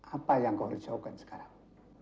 apa yang kau risaukan sekarang